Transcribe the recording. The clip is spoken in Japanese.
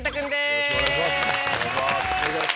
よろしくお願いします。